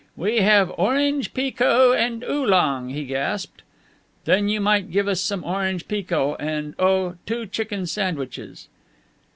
"We have orange pekoe and oolong," he gasped. "Then you might give us some orange pekoe and oh, two chicken sandwiches."